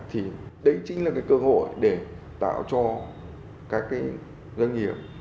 thì đấy chính là cái cơ hội để tạo cho các cái doanh nghiệp